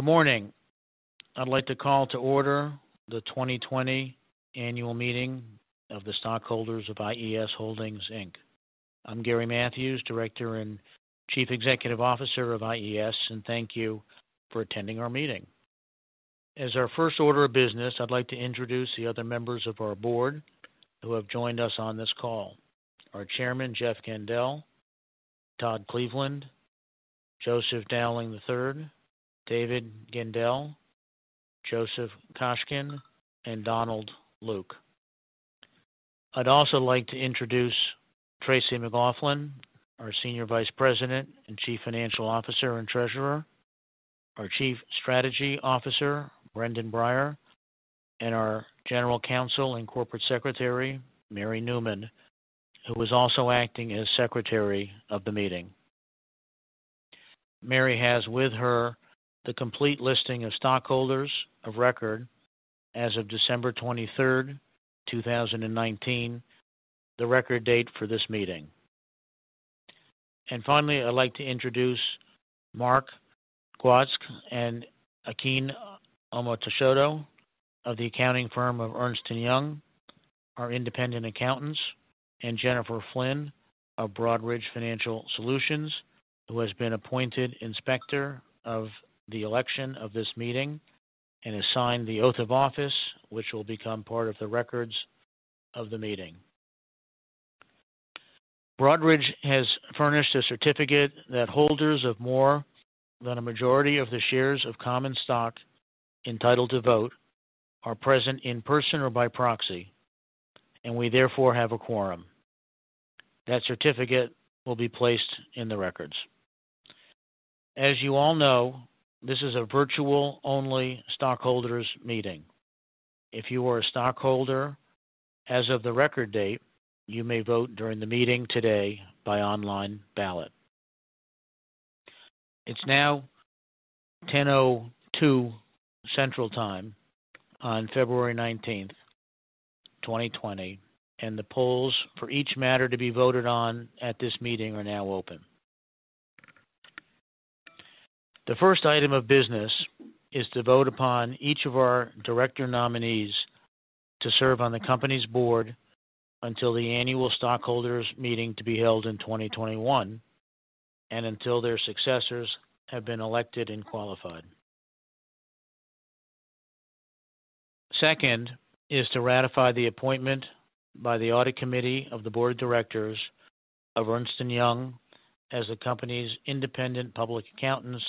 Good morning. I'd like to call to order the 2020 Annual Meeting of the Stockholders of IES Holdings, Inc. I'm Gary Matthews, Director and Chief Executive Officer of IES, and thank you for attending our meeting. As our first order of business, I'd like to introduce the other members of our board who have joined us on this call. Our Chairman, Jeff Gendell, Todd Cleveland, Joseph Dowling III, David Gendell, Joseph Koshkin, and Donald Luke. I'd also like to introduce Tracy McLauchlin, our Senior Vice President and Chief Financial Officer and Treasurer, our Chief Strategy Officer, Brendan Brier, and our General Counsel and Corporate Secretary, Mary Newman, who is also acting as Secretary of the meeting. Mary has with her the complete listing of stockholders of record as of December 23rd, 2019, the record date for this meeting. And finally, I'd like to introduce Mark Gwosdz and Akin Omotosho of the accounting firm of Ernst & Young, our independent accountants, and Jennifer Flynn of Broadridge Financial Solutions, who has been appointed Inspector of Election of this meeting and has signed the oath of office, which will become part of the records of the meeting. Broadridge has furnished a certificate that holders of more than a majority of the shares of common stock entitled to vote are present in person or by proxy, and we therefore have a quorum. That certificate will be placed in the records. As you all know, this is a virtual-only stockholders meeting. If you are a stockholder as of the Record Date, you may vote during the meeting today by online ballot. It's now 10:02 Central Time on February 19th, 2020, and the polls for each matter to be voted on at this meeting are now open. The first item of business is to vote upon each of our director nominees to serve on the company's board until the annual stockholders meeting to be held in 2021 and until their successors have been elected and qualified. Second is to ratify the appointment by the Audit Committee of the Board of Directors of Ernst & Young as the company's independent public accountants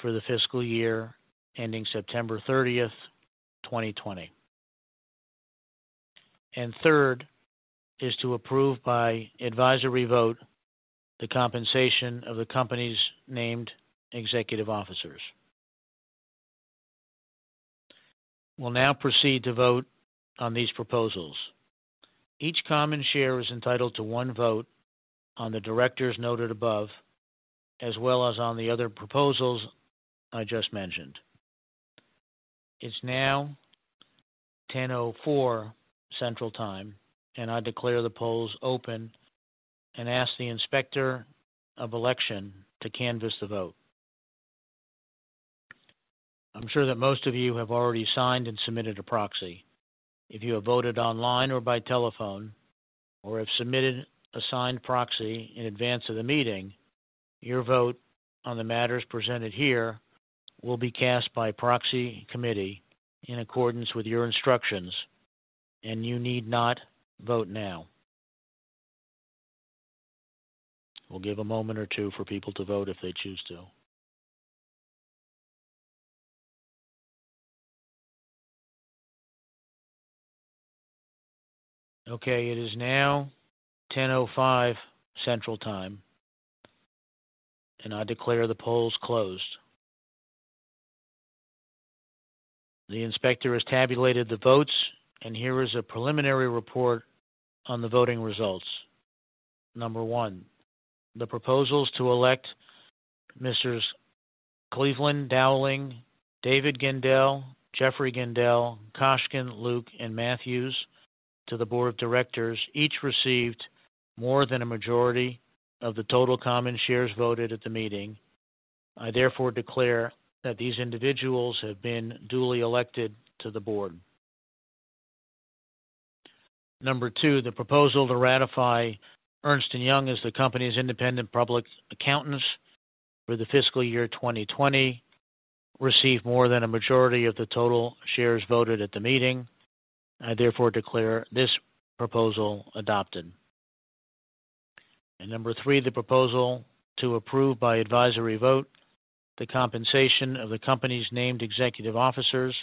for the fiscal year ending September 30th, 2020. And third is to approve by advisory vote, the compensation of the company's named executive officers. We'll now proceed to vote on these proposals. Each common share is entitled to one vote on the directors noted above, as well as on the other proposals I just mentioned. It's now 10:04 A.M. Central Time, and I declare the polls open and ask the Inspector of Election to canvass the vote. I'm sure that most of you have already signed and submitted a proxy. If you have voted online or by telephone or have submitted a signed proxy in advance of the meeting, your vote on the matters presented here will be cast by proxy committee in accordance with your instructions, and you need not vote now. We'll give a moment or two for people to vote if they choose to. Okay, it is now 10:05 A.M. Central Time, and I declare the polls closed. The Inspector has tabulated the votes and here is a preliminary report on the voting results. Number 1, the proposals to elect Messrs. Cleveland, Dowling, David Gendell, Jeffrey Gendell, Koshkin, Luke, and Matthews to the Board of Directors, each received more than a majority of the total common shares voted at the meeting. I therefore declare that these individuals have been duly elected to the board. Number 2, the proposal to ratify Ernst & Young as the company's independent public accountants for the fiscal year 2020, received more than a majority of the total shares voted at the meeting. I therefore declare this proposal adopted. Number 3, the proposal to approve by advisory vote, the compensation of the company's named executive officers,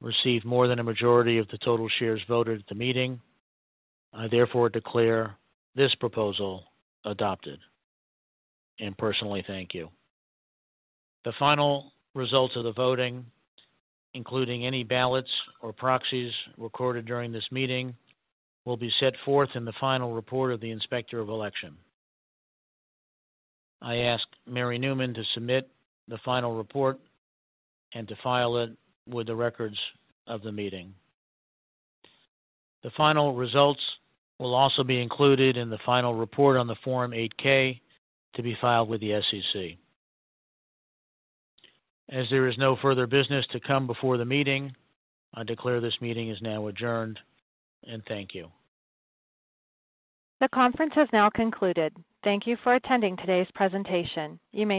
received more than a majority of the total shares voted at the meeting. I therefore declare this proposal adopted, and personally, thank you. The final results of the voting, including any ballots or proxies recorded during this meeting, will be set forth in the final report of the Inspector of Election. I ask Mary Newman to submit the final report and to file it with the records of the meeting. The final results will also be included in the final report on the Form 8-K to be filed with the SEC. As there is no further business to come before the meeting, I declare this meeting is now adjourned, and thank you. The conference has now concluded. Thank you for attending today's presentation. You may now-